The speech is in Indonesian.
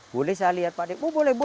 boleh saya lihat pak